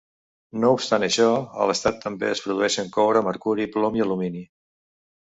No obstant això, a l'estat també es produeixen coure, mercuri, plom i alumini.